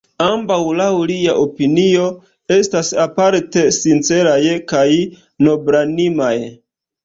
Ambaŭ, laŭ lia opinio, estas aparte sinceraj kaj noblanimaj.